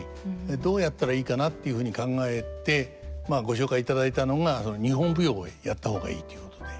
どうやったらいいかなっていうふうに考えてまあご紹介いただいたのが日本舞踊をやった方がいいということで。